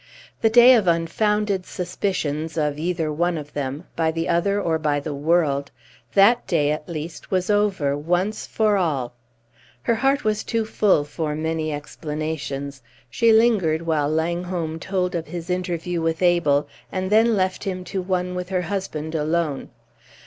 The day of unfounded suspicions, of either one of them, by the other or by the world, that day at least was over once for all. Her heart was too full for many explanations; she lingered while Langholm told of his interview with Abel, and then left him to one with her husband alone.